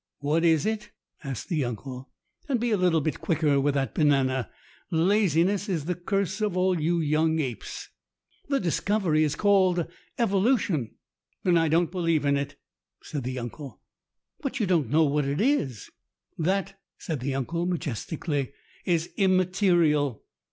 "What is it?" asked the uncle. "And be a little bit quicker with that banana. Laziness is the curse of all you young apes." "The discovery is called evolution." "Then I don't believe in it," said the uncle. "But you don't know what it is." "That," said the uncle majestically, "is immaterial.